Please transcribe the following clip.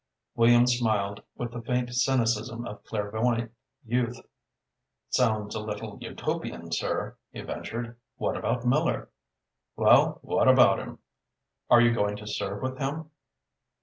Williams smiled with the faint cynicism of clairvoyant youth. "Sounds a little Utopian, sir," he ventured. "What about Miller?" "Well, what about him?" "Are you going to serve with him?"